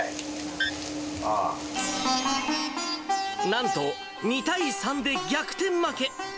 なんと、２対３で逆転負け。